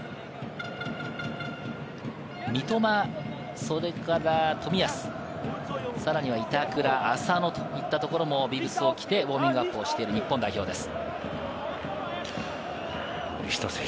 三笘、冨安、さらには板倉、浅野といったところもビブスを着て、ウオーミングアップをしている日本代表です。